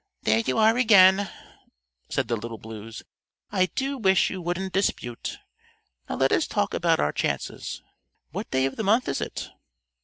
"There you are again," said the Little Blues. "I do wish you wouldn't dispute. Now let us talk about our chances. What day of the month is it?"